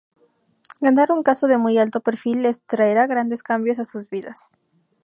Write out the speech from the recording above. Ganar un caso de muy alto perfil les traerá grandes cambios a sus vidas.